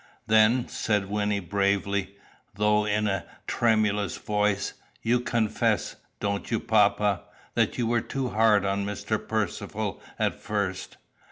"Then," said Wynnie bravely, though in a tremulous voice, "you confess don't you, papa? that you were too hard on Mr. Percivale at first?"